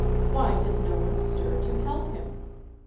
Why does no one stir to help him?